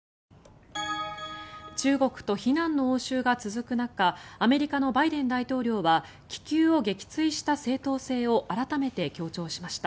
中国と非難の応酬が続く中アメリカのバイデン大統領は気球を撃墜した正当性を改めて強調しました。